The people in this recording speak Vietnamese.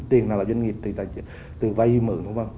tiền nào là doanh nghiệp từ vay mượn